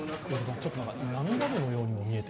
ちょっと涙目のようにも見えて。